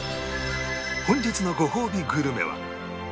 本日のごほうびグルメは